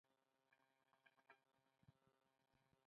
هغه په کم عمر کې د ژوند سختۍ وګاللې